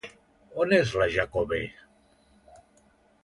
On és la Jacobè?